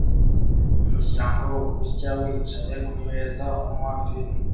Umuryango urya wicaye kumeza unywa vino